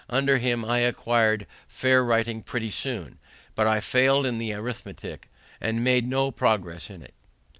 Under him I acquired fair writing pretty soon, but I failed in the arithmetic, and made no progress in it.